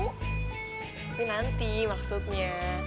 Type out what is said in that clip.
tapi nanti maksudnya